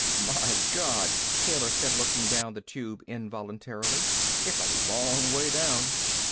"My God!" Taylor said, looking down the Tube involuntarily. "It's a long way down."